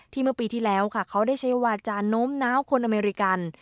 เมื่อปีที่แล้วค่ะเขาได้ใช้วาจาโน้มน้าวคนอเมริกัน